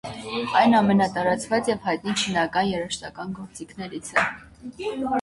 Այն ամենատարածված և հայտնի չինական երաժշտական գործիքներից է։